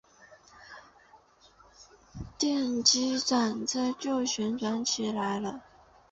电动机转子就旋转起来了。